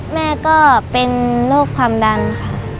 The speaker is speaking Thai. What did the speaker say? แม่ก็เป็นโรคความดันค่ะ